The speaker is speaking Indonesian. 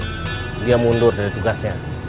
untuk lagi mundur dari tugasnya